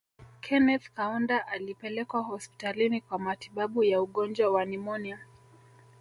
Kenneth Kaunda alipelekwa hospitalini kwa matibabu ya ugonjwa wa nimonia